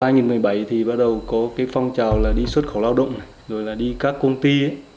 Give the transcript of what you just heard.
năm hai nghìn một mươi bảy thì bắt đầu có cái phong trào là đi xuất khẩu lao động này rồi là đi các công ty ấy